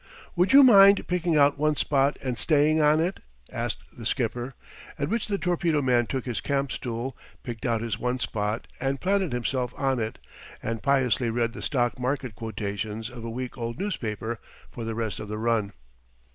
"Would you mind picking out one spot and staying on it?" asked the skipper, at which the torpedo man took his camp stool, picked out his one spot, and planted himself on it, and piously read the stock market quotations of a week old newspaper for the rest of the run.